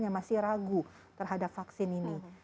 yang masih ragu terhadap vaksin ini